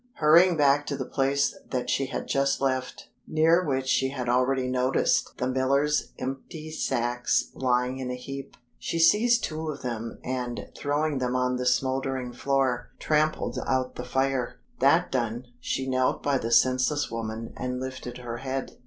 Hurrying back to the place that she had just left, near which she had already noticed the miller's empty sacks lying in a heap, she seized two of them, and, throwing them on the smoldering floor, trampled out the fire. That done, she knelt by the senseless woman, and lifted her head.